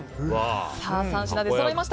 ３品、出そろいました。